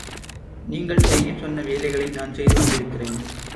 நீங்கள் செய்யச் சொன்ன வேலைகளை நான் செய்து வந்திருக்கிறேன்.